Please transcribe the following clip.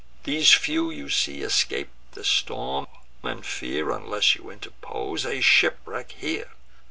Those few you see escap'd the storm, and fear, Unless you interpose, a shipwreck here.